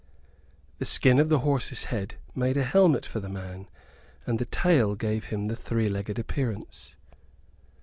The skin of the horse's head made a helmet for the man; and the tail gave him the three legged appearance.